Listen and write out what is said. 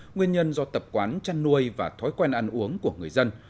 nguyên nhân do tập quán chăn nuôi và thói quen ăn uống của người dân